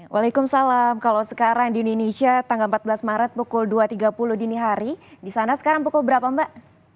waalaikumsalam kalau sekarang di indonesia tanggal empat belas maret pukul dua tiga puluh dini hari di sana sekarang pukul berapa mbak